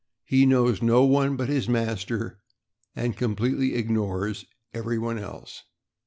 He knows no one but his master, and completely ignores everyone else.